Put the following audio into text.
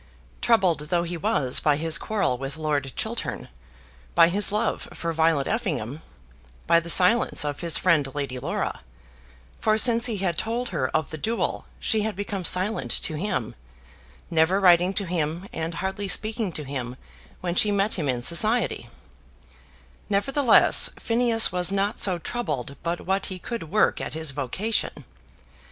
Troubled though he was by his quarrel with Lord Chiltern, by his love for Violet Effingham, by the silence of his friend Lady Laura, for since he had told her of the duel she had become silent to him, never writing to him, and hardly speaking to him when she met him in society, nevertheless Phineas was not so troubled but what he could work at his vocation.